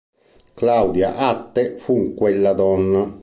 Claudia Atte fu quella donna.